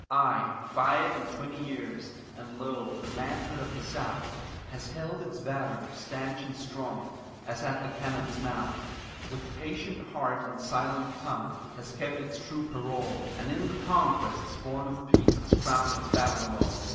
Aye, five and twenty years, and lo, the manhood of the South Has held its valor stanch and strong as at the cannon's mouth, With patient heart and silent tongue has kept its true parole, And in the conquests born of peace has crowned its battle roll.